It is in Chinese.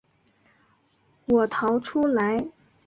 我逃出来